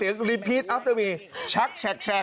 น้ำลายจะไหล